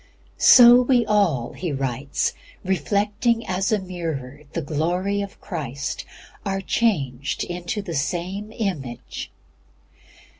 "So we all," he writes, "reflecting as a mirror the glory of Christ, are changed into the same image."